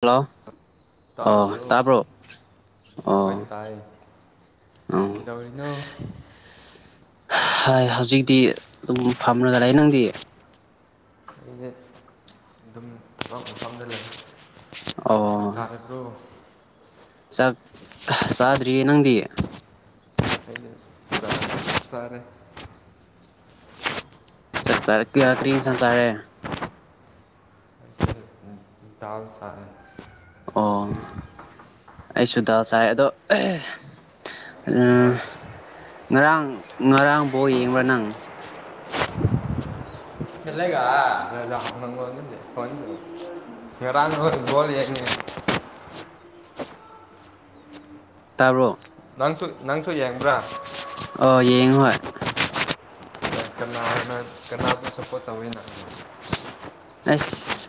hello ꯑꯣ ꯇꯥꯔꯤꯕ꯭ꯔꯣ ꯇꯥꯕ꯭ꯔꯣ ꯍꯣꯏ ꯑꯣ ꯇꯥꯏ ꯎꯝ ꯀꯩꯗꯧꯔꯤꯅꯣ ꯍꯥꯏ ꯍꯧꯖꯤꯛꯇꯤ ꯑꯗꯨꯝ ꯐꯝꯔꯒ ꯂꯩ ꯅꯪꯗꯤ ꯑꯩꯗꯤ ꯑꯗꯨꯝ ꯊꯕꯛ ꯃꯐꯝꯗ ꯂꯩ ꯆꯥꯛ ꯑꯣ ꯆꯥꯔꯕꯣ ꯆꯥꯛ ꯆꯥꯗ꯭ꯔꯤꯌꯦ ꯅꯪꯗꯤ ꯑꯩꯅ ꯆꯥꯛ ꯆꯥꯔꯦ ꯆꯥꯛ ꯆꯥꯔꯦ ꯀꯤꯌꯥ ꯀ꯭ꯔꯤ ꯍꯤꯟꯁꯥꯡ ꯆꯥꯔꯦ ꯑꯩꯁꯦ ꯗꯥꯜ ꯆꯥꯢ ꯑꯣ ꯑꯩꯁꯨ ꯗꯥꯜ ꯆꯥꯢ ꯑꯗꯣ ꯍꯣꯏ ꯉꯔꯥꯡ ꯉꯔꯥꯡ ꯕꯣꯜ ꯌꯦꯡꯕ꯭ꯔꯥ ꯅꯪ [unintelligible] [unintelligible] [inaudible] ꯇꯥꯕ꯭ꯔꯣ ꯅꯪꯁꯨ ꯅꯪꯁꯨ ꯌꯦꯡꯕ꯭ꯔꯥ ꯑꯣ ꯌꯦꯡ ꯍꯣꯢ ꯀꯅꯥꯅ ꯀꯅꯥꯕꯨ ꯁꯞꯄꯣꯔꯠ ꯇꯧꯋꯤ ꯅꯪ ꯑꯁ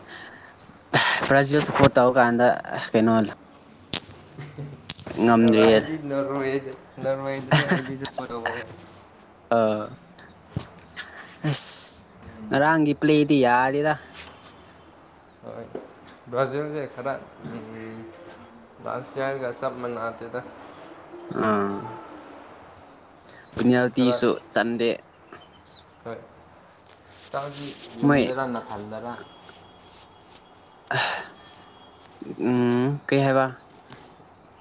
ꯕ꯭ꯔꯥꯖꯤꯜ ꯁꯞꯄꯣꯔꯠ ꯇꯧ ꯀꯥꯟꯗ ꯀꯩꯅꯣ ꯉꯝꯗ꯭ꯔꯤꯌꯦ ꯑꯩꯗꯤ ꯅꯣꯔꯋꯦꯗ ꯅꯣꯔꯋꯗꯅꯦ ꯑꯗꯤ ꯁꯄꯣꯔꯇ ꯇꯧꯕꯁꯦ ꯑꯁ ꯉꯔꯥꯡꯒꯤ ꯄ꯭ꯂꯦꯗꯤ ꯌꯥꯗꯦꯗ ꯍꯣꯏ ꯕ꯭ꯔꯥꯖꯤꯜꯁꯦ ꯈꯔ ꯂꯥꯁ ꯌꯥꯔꯒ ꯆꯞ ꯃꯥꯟꯅꯗꯦꯗ ꯑꯥ ꯈꯔ ꯄꯨꯅꯦꯜꯇꯤꯁꯨ ꯆꯟꯗꯦ ꯍꯣꯏ ꯢꯇꯥꯎꯗꯤ ꯃꯣꯏ ꯌꯨꯝꯗꯔꯥ ꯅꯊꯟꯗꯔꯥ ꯎꯝ ꯀꯩ ꯍꯥꯏꯕ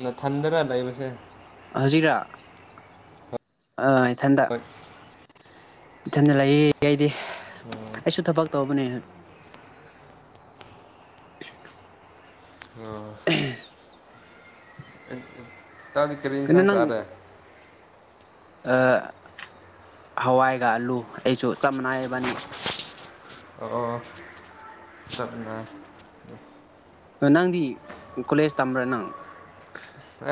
ꯅꯊꯟꯗꯔꯥ ꯂꯩꯕꯁꯦ ꯍꯧꯖꯤꯛꯔꯥ ꯑꯥ ꯏꯊꯟꯇ ꯏꯊꯟꯗ ꯂꯩꯌꯦ ꯑꯩꯗꯤ ꯎꯝ ꯑꯩꯁꯨ ꯊꯕꯛ ꯇꯧꯕꯅꯦ ꯑꯣ ꯢꯇꯥꯎꯗꯤ ꯀꯔꯤ ꯀꯩꯅꯣ ꯍꯤꯟꯁꯥꯡ ꯅꯪ ꯆꯥꯔꯦ ꯍꯋꯥꯏꯒ ꯑꯂꯨ ꯑꯩꯁꯨ ꯆꯞ ꯃꯅꯥꯏꯕꯅꯤ ꯑꯣ ꯆꯠꯃꯦ [inaudible] ꯅꯪꯗꯤ ꯀꯣꯂꯦꯖ ꯇꯝꯕ꯭ꯔꯥ ꯅꯪ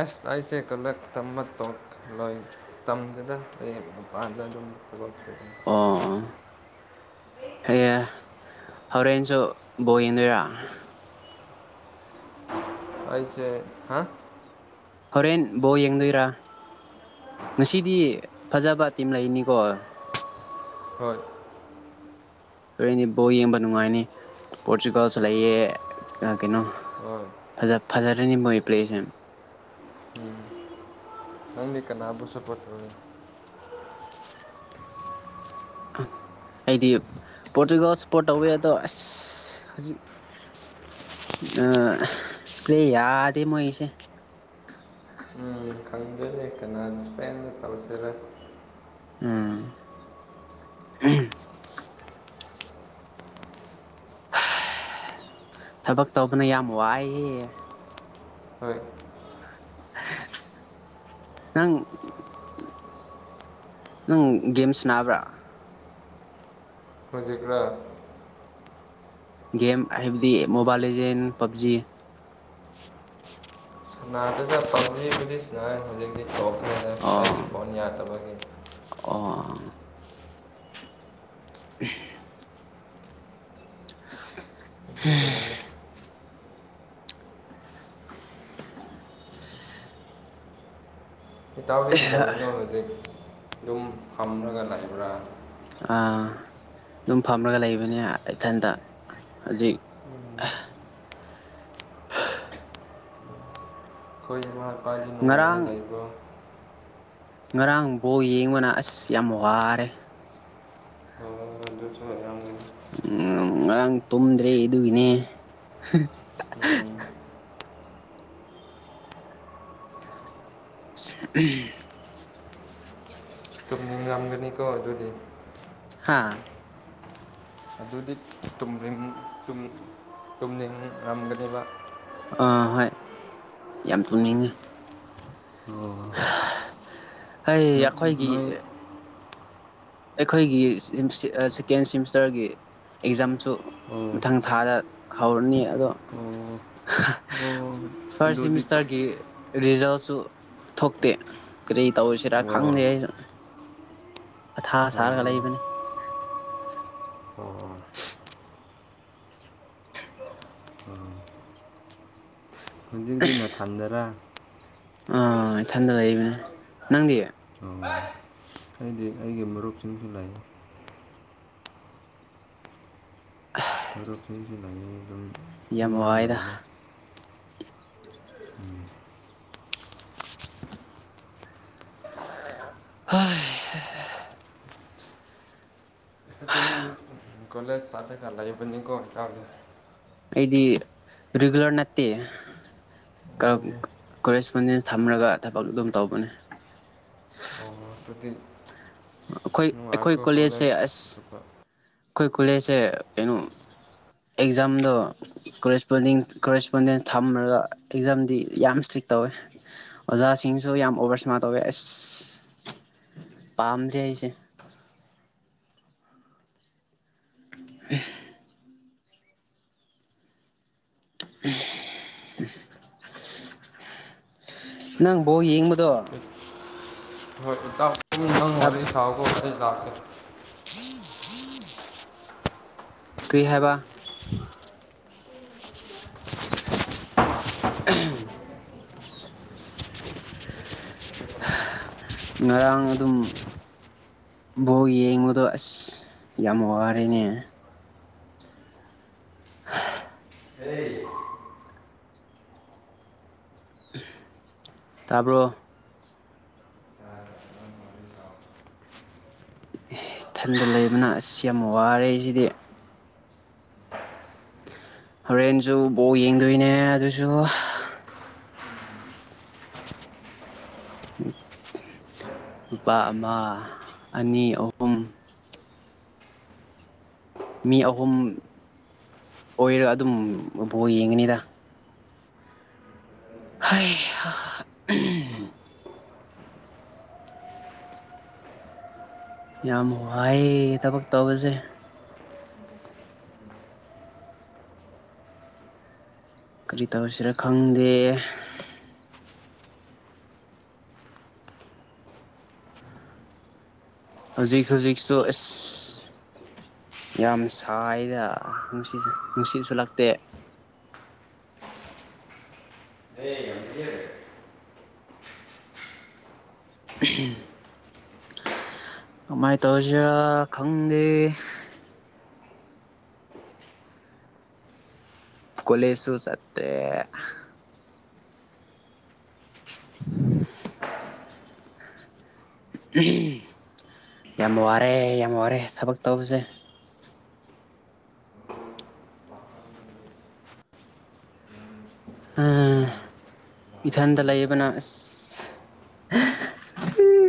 ꯑꯁ ꯑꯩꯁꯦ ꯀꯂꯛ ꯇꯝꯕ ꯇꯣꯛꯂꯣꯏ ꯇꯝꯗꯨꯗ ꯑꯩ ꯃꯄꯥꯟ ꯣ [unintelligible] [inaudible] ꯑꯣ ꯍ ꯍꯣꯔꯦꯟꯁꯨ ꯕꯣꯜ ꯌꯦꯡꯗꯣꯏꯔꯥ ꯑꯩꯁꯦ ꯍꯥꯏ ꯍꯣꯔꯦꯟ ꯕꯣꯜ ꯌꯦꯡꯗꯣꯏꯔꯥ ꯉꯁꯤꯗꯤ ꯐꯖꯕ ꯇꯤꯝ ꯂꯩꯅꯤꯀꯣ ꯍꯣꯏ ꯍꯔꯦꯟꯅꯦ ꯕꯣꯜ ꯌꯦꯡꯕ ꯅꯨꯡꯉꯥꯏꯅꯤ ꯄꯣꯔꯆꯨꯒꯥꯜꯁꯂꯛꯑꯦ ꯍꯣꯏ ꯀꯩꯅꯣꯖ ꯐꯖꯔꯅꯤ ꯃꯣꯏ ꯄ꯭ꯂꯦꯁꯦ ꯅꯪꯂꯤ ꯀꯅꯥꯕꯨ ꯁꯥꯄꯠꯇꯔꯅꯤ ꯍꯠ ꯑꯩꯗꯤ ꯄꯣꯔꯇꯨꯒꯜ ꯁꯄꯣꯔꯠ ꯇꯧꯋꯤ ꯑꯗꯣ ꯑꯁ ꯍꯧꯖꯤꯛ ꯑꯄ꯭ꯂꯦ ꯌꯥꯗꯦ ꯃꯣꯏꯁꯦ ꯂꯦꯛꯀꯅ ꯏꯁꯄꯦꯟꯗ ꯇꯧꯖꯔꯦ ꯎꯝ ꯊꯕꯛ ꯇꯧꯕꯅ ꯌꯥꯝ ꯋꯥꯏꯍꯦ ꯍꯣꯏ ꯅꯪ ꯅꯪ ꯒꯦꯝꯁ ꯅꯥꯕ꯭ꯔꯥ ꯍꯧꯖꯤꯛꯔ ꯒꯦꯝ ꯍꯥꯏꯕꯗꯤ ꯃꯣꯕꯥꯏꯜ ꯂꯤꯖꯦꯟ ꯄꯞꯖꯤ ꯁꯅꯥꯏꯟ ꯍꯧꯖꯛꯒꯤ ꯇꯣꯄꯤ ꯑꯣ ꯑꯣ [unintelligible] ꯑꯗꯨꯒꯤꯅꯤꯅꯦ ꯎꯝ ꯀꯤꯇꯧꯔꯤ ꯀꯩꯗꯧꯔꯤꯅꯣ ꯍꯧꯖꯤꯛ ꯑꯗꯨꯝ ꯐꯝꯔꯒ ꯂꯩꯕ꯭ꯔꯥ ꯑꯥ ꯑꯗꯨꯝ ꯐꯝꯔꯒ ꯂꯩꯕꯅꯦ ꯏꯊꯟꯇ ꯍꯧꯖꯤꯛ ꯑꯩꯈꯣꯏ ꯏꯃꯥ ꯏꯄꯥꯗꯤ ꯅꯨꯡꯉꯥꯏꯅ ꯉꯔꯥꯡ ꯂꯩꯕ꯭ꯔꯣ ꯉꯔꯥꯡ ꯕꫭꯜ ꯌꯦꯡꯕꯅ ꯑꯁ ꯌꯥꯝ ꯋꯥꯔꯦ ꯑꯣ ꯑꯗꯨꯁꯨ ꯃꯌꯥꯝꯒꯤ ꯎꯝ ꯉꯔꯥꯡ ꯇꯨꯝꯗ꯭ꯔꯦ ꯑꯗꯨꯒꯤꯅꯦ ꯎꯝ [unintelligible] ꯆꯨꯝꯅꯤꯡ ꯉꯝꯒꯅꯤꯀꯣ ꯑꯗꯨꯗꯤ ꯍꯥꯥ ꯑꯗꯨꯗꯤ ꯇꯨꯝꯅꯤꯡ ꯔꯝꯒꯅꯦꯕ ꯑꯥ ꯍꯣꯏ ꯌꯥꯝ ꯇꯨꯝꯅꯤꯡꯉꯦ ꯑꯣ ꯑꯩ ꯅ ꯑꯩꯈꯣꯏꯒꯤ ꯅꯣꯏ ꯑꯩꯈꯣꯏꯒꯤ ꯁꯦꯀꯦꯟ ꯁꯤꯦꯃꯤꯁꯇꯔꯒꯤ ꯑꯦꯛꯖꯥꯝꯁꯨ ꯑꯣ ꯃꯊꯪ ꯊꯥꯗ ꯍꯧꯔꯅꯤ ꯑꯗꯣ ꯑꯣ ꯑꯣ ꯐꯥꯔꯁ ꯑꯗꯨꯗꯤ ꯁꯤꯃꯤꯁꯇꯔꯒꯤ ꯔꯤꯖꯜꯁꯨ ꯊꯣꯛꯇꯦ ꯀꯔꯤ ꯇꯧꯔꯤꯁꯤꯔꯥ ꯑꯣ ꯈꯪꯗꯦ ꯑꯩꯁꯨ ꯑꯊꯥ ꯑꯣ ꯁꯥꯔꯒ ꯂꯩꯕꯅꯤ ꯑꯣ ꯑꯣ ꯁꯤꯅ ꯊꯥꯟꯗꯔ ꯑꯥ ꯏꯊꯟꯗ ꯂꯩꯕꯅꯦ ꯅꯪꯗꯤ ꯍꯥꯏꯗꯤ ꯑꯩꯒꯤ ꯃꯔꯨꯞꯁꯤꯡꯁꯨ ꯂꯩ ꯃꯔꯨꯞꯁꯤꯡꯁꯤ ꯂꯩꯌꯦ ꯑꯗꯨꯝ ꯌꯥꯝ ꯋꯥꯏꯗ ꯃꯤꯌꯥꯝꯅꯩꯅ ꯎꯝ ꯍꯣꯏ ꯀꯣꯂꯦ ꯆꯥꯇꯀꯔ ꯂꯩꯕꯅꯤ ꯀꯣ ꯍꯇꯥꯦ ꯑꯩꯗꯤ ꯔꯤꯒꯨꯂꯔ ꯅꯠꯇꯦ ꯑꯣ ꯀꯣꯔꯦꯁꯄꯣꯟꯗꯦꯟꯁ ꯊꯝꯔꯒ ꯊꯕꯛ ꯑꯗꯨꯝ ꯇꯧꯕꯅꯤ ꯔꯁꯄꯇ ꯑꯩꯈꯣꯏ ꯅꯨꯋꯥꯥꯏꯀꯣ ꯀꯣꯂꯦꯖꯁꯦ ꯀꯣꯂꯦꯖ ꯑꯁ ꯁꯐ ꯑꯩꯈꯣꯏ ꯀꯨꯂꯦꯁꯦ ꯀꯩꯅꯣ ꯑꯦꯛꯖꯥꯝꯗꯣꯄꯣꯟ ꯀꯣꯔꯦꯁꯄꯣꯟꯗꯦꯟ ꯊꯝꯃꯒ ꯑꯦꯛꯖꯥꯝꯗꯤ ꯌꯥꯝ ꯏꯁꯇ꯭ꯔꯤꯛ ꯇꯧꯋꯦ ꯑꯣꯖꯥꯁꯤꯡꯁꯨ ꯌꯥꯝ ꯑꯣꯕꯔ ꯏꯁꯃꯥꯔ ꯇꯧꯋꯦ ꯑꯁ ꯄꯥꯝꯗ꯭ꯔꯤ ꯑꯩꯁꯦ [unintelligible] ꯅꯪꯕꯣ ꯌꯦꯡꯕꯗꯣ ꯇꯞ ꯁꯥꯎ ꯎꯆꯦ ꯇ꯭ꯔꯤꯍꯕ [unintelligible] [inaudible] ꯉꯔꯥꯡ ꯑꯗꯨꯝ ꯕꯣꯛ ꯌꯦꯡꯕꯗꯣ ꯑꯁ ꯌꯥꯝ ꯋꯥꯔꯦꯅꯦ ꯑꯩ ꯇꯥꯔꯕꯣ ꯏꯊꯟꯗ ꯂꯩꯕꯅ ꯑꯁꯤ ꯌꯥꯝ ꯋꯥꯔꯦꯁꯤꯗꯤ ꯍꯣꯔꯦꯟꯁꯨ ꯕꯣꯛ ꯌꯦꯡꯗꯣꯏꯅꯦ ꯑꯗꯨꯁꯨ ꯂꯨꯄꯥ ꯑꯃ ꯑꯅꯤ ꯑꯍꯨꯝ ꯃꯤ ꯑꯍꯨꯝ ꯑꯣꯏꯔꯒ ꯑꯗꯨꯝꯕꯣ ꯌꯦꯡꯉꯅꯤꯗ ꯍꯥꯏ ꯌꯥꯝ ꯋꯥꯏ ꯊꯕꯛ ꯇꯧꯕꯁꯦ ꯀꯔꯤ ꯇꯧꯔꯤꯁꯤꯔ ꯈꯪꯗꯦ ꯍꯧꯖꯤꯛ ꯍꯧꯖꯤꯛꯁꯨ ꯑꯁ ꯌꯥꯝ ꯁꯥꯏꯗ ꯅꯨꯡꯁꯤꯠꯁꯨ ꯂꯛꯇꯦ [unintelligible] [inaudible] ꯦ [unintelligible] [inaudible] ꯀꯃꯥꯏꯅ ꯇꯧꯁꯤꯔꯥ ꯈꯪꯗꯦ ꯀꯣꯂꯦꯁꯨꯁꯨꯁꯠꯇꯦ [unintelligible] [inaudible] ꯌꯥꯝ ꯋꯥꯔꯦ ꯌꯥꯝ ꯋꯥꯔꯦ ꯊꯕꯛ ꯇꯧꯕꯁꯦ ꯏꯊꯟꯗ ꯂꯩꯌꯦꯕꯅ ꯑ ꯎꯝ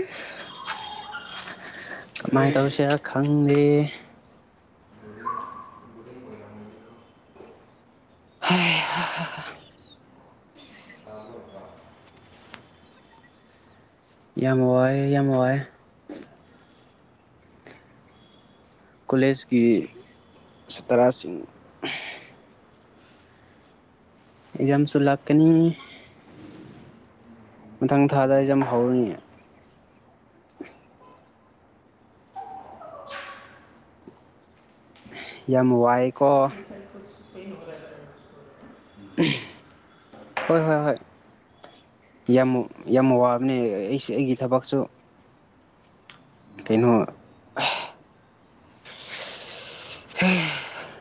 ꯀꯃꯥꯏꯅ ꯇꯧꯁꯤꯦꯔ ꯈꯪꯗꯦ ꯌꯥꯝ ꯋꯥꯏ ꯌꯥꯝ ꯋꯥꯏ ꯀꯣꯂꯦꯖꯀꯤ ꯇꯔꯥꯁꯤꯡ ꯑꯦꯛꯖꯥꯝꯁꯨꯣꯂꯚ ꯀꯅꯤ ꯃꯊꯪ ꯊꯥꯗ ꯑꯩꯁꯦ ꯌꯥꯝ ꯍꯧꯔꯏꯦ ꯌꯥ ꯃꯣꯕꯥꯏꯛ ꯁꯥꯏ ꯄꯔ ꯍꯣꯏ ꯍꯣꯏ ꯍꯣꯏ ꯌꯥꯝ ꯌꯥꯝ ꯋꯥꯕꯅꯦ ꯑꯩ ꯑꯩꯒꯤ ꯊꯕꯛꯁꯨ ꯀꯩꯅꯣ ꯍꯝ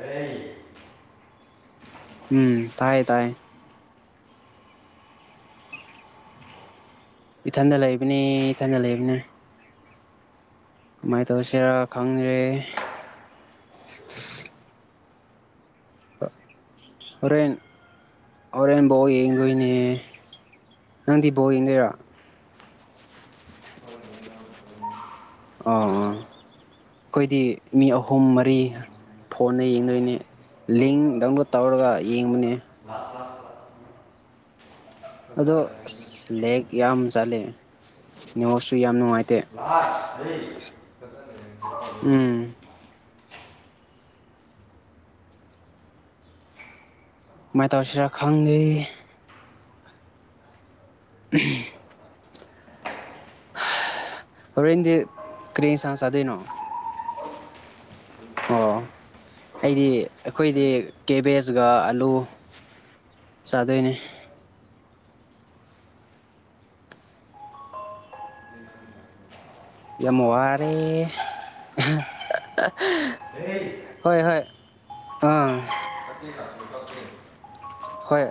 ꯑꯦꯏ ꯎꯝ ꯇꯥꯏꯌꯦ ꯇꯥꯏꯌꯦ ꯏꯊꯟꯗ ꯂꯩꯕꯅꯦ ꯏꯊꯟꯗ ꯂꯩꯕꯅꯦ ꯀꯃꯥꯏꯅ ꯇꯧꯁꯤꯔꯥ ꯈꯪꯗ꯭ꯔꯦ ꯦꯟ ꯑꯣꯦꯟ ꯕꯣꯒꯣꯏꯅꯦ ꯅꯪꯗꯤ ꯕꯣꯟ ꯂꯩꯔ ꯍ ꯑꯣꯥ ꯑꯥ ꯑꯩꯈꯣꯏꯗꯤ ꯃꯤ ꯑꯍꯨꯝ ꯃꯔꯤ ꯐꯣꯟꯅ ꯌꯦꯡꯗꯣꯏꯅꯦ ꯂꯤꯡ ꯗꯥꯎꯟꯂꯣꯗ ꯇꯧꯔꯒ ꯌꯦꯡꯕꯅꯦ ꯂꯁ ꯑꯗꯣ ꯑꯁ ꯂꯦꯛꯦꯛ ꯌꯥꯝ ꯆꯠꯂꯦ ꯅꯤꯣꯁꯁꯨ ꯌꯥꯝ ꯅꯨꯡꯉꯥꯏ ꯎꯝ ꯂꯥꯁ ꯀꯃꯥꯏꯅ ꯇꯧꯔꯤꯁꯤꯔ ꯈꯪꯗꯔꯤ [unintelligible] [inaudible] ꯍꯣꯔꯦꯟꯗꯤ ꯀꯔꯤꯦꯟ ꯁꯥꯡ ꯆꯥꯗꯣꯏꯅꯣ ꯑꯣ ꯑꯩꯗꯤ ꯑꯩꯈꯣꯏꯗꯤ ꯀꯦꯕꯦꯖꯀ ꯑꯂꯨ ꯆꯥꯗꯣꯏꯅꯦ ꯌꯥꯝ ꯋꯥꯔꯦ ꯍꯦ ꯍꯣꯏ ꯍꯣꯏ ꯑꯥ ꯍꯣꯏ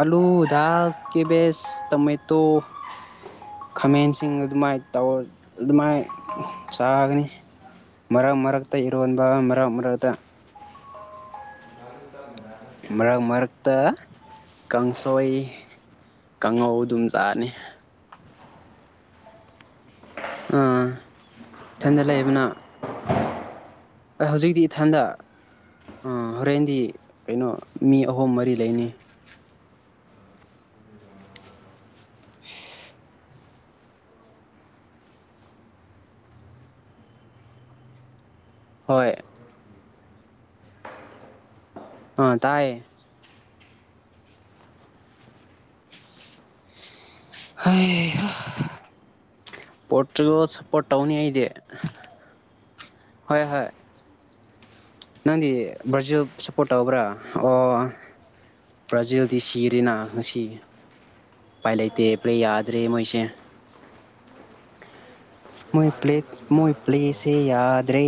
ꯑꯂꯨ ꯗꯥꯜ ꯀꯦꯕꯦꯁ ꯇꯣꯃꯦꯇꯣ ꯈꯥꯃꯦꯟꯁꯤꯡ ꯑꯗꯨꯃꯥꯏ ꯇꯧꯔ ꯑꯗꯨꯃꯥꯏ ꯆꯥꯒꯅꯤ ꯃꯔꯛ ꯃꯔꯛꯇ ꯏꯔꯣꯟꯕ ꯃꯔꯛ ꯃꯔꯛꯇ ꯃꯔꯛ ꯃꯔꯛꯇ ꯀꯥꯡꯁꯣꯏ ꯀꯥꯡꯉꯧ ꯑꯗꯨꯝ ꯆꯥꯅꯤ ꯑꯥ ꯊꯟꯗ ꯂꯩꯕꯅ ꯍꯧꯖꯤꯛꯇꯤ ꯏꯊꯟꯗ ꯑ ꯍꯣꯔꯦꯟꯗꯤ ꯀꯩꯅꯣ ꯃꯤ ꯑꯍꯨꯝ ꯃꯔꯤ ꯂꯩꯅꯤ ꯍꯣꯏ ꯑ ꯇꯥꯏꯌꯦ ꯍꯩꯍꯥ ꯄꯣꯔꯇꯨꯒꯜ ꯁꯞꯄꯣꯔꯠ ꯇꯧꯅꯤ ꯑꯩꯗꯤ ꯍꯣꯏ ꯍꯣꯏ ꯅꯪꯗꯤ ꯕꯔꯖꯤꯜ ꯁꯞꯄꯣꯔꯠ ꯇꯧꯕ꯭ꯔꯥ ꯑꯣ ꯕ꯭ꯔꯥꯖꯤꯜꯗꯤ ꯁꯤꯔꯦꯅ ꯉꯁꯤ ꯎꯄꯥꯏ ꯂꯩꯇꯦ ꯄ꯭ꯂꯦ ꯌꯥꯗ꯭ꯔꯦ ꯃꯣꯏꯁꯦ ꯃꯣꯏ ꯄ꯭ꯂꯦ ꯃꯣꯏ ꯄ꯭ꯂꯦꯁꯦ ꯌꯥꯗ꯭ꯔꯦ